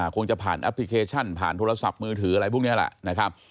คงจะผ่านแอปพลิเคชันผ่านโทรศัพท์มือถืออะไรพวกนี้แหละนะครับ